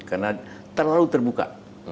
karena terlalu terbuka